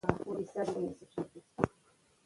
احمدشاه بابا د افغان تاریخ یو ستر مشر و.